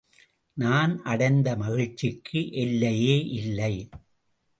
நான் அடைந்த மகிழ்ச்சிக்கு எல்லையே இல்லை.